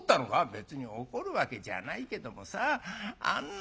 「別に怒るわけじゃないけどもさあんな